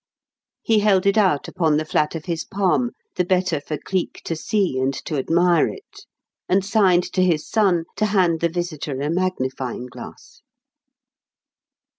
He held it out upon the flat of his palm, the better for Cleek to see and to admire it, and signed to his son to hand the visitor a magnifying glass.